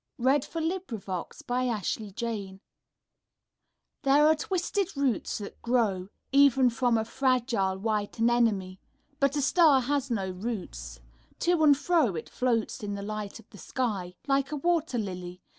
DiqllzodbvCoOgle STAR SONG These are twisted roots that grow Even from a fragile white anemone. 'But a star has no roots : to and fro It floats in the light of the sky, like a wat«r ]ily.